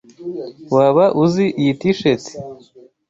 Waba uzi iyi T-shirt?